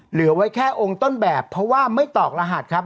เหลือไว้แค่องค์ต้นแบบเพราะว่าไม่ตอกรหัสครับ